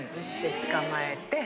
捕まえて。